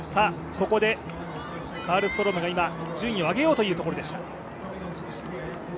ここでカルストロームが今順位を上げようというところでした。